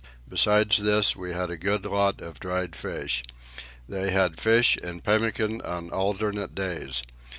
Besides this, we had a good lot of dried fish. They had fish and pemmican on alternate days.